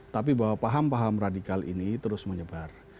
tapi bahwa paham paham radikal ini terus menyebar